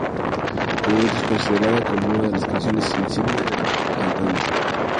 A menudo es considerada como una de las canciones insignia de la cantante.